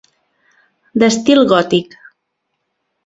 D'estil gòtic.